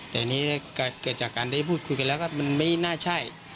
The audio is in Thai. แต่อันนี้เกิดจากการได้พูดคุยกันแล้วก็มันไม่น่าใช่